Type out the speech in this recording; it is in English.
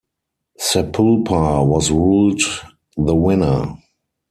Sapulpa was ruled the winner.